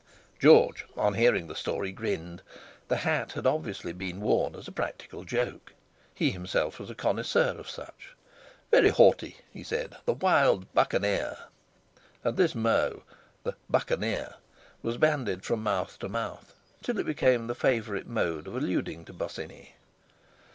George, on hearing the story, grinned. The hat had obviously been worn as a practical joke! He himself was a connoisseur of such. "Very haughty!" he said, "the wild Buccaneer." And this mot, the "Buccaneer," was bandied from mouth to mouth, till it became the favourite mode of alluding to Bosinney.